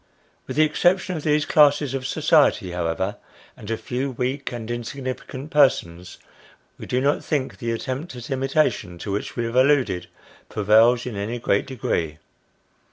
With the exception of these classes of society, however, and a few weak and insignificant persons, we do not think the attempt at imitation to which we have alluded, prevails in any great degree.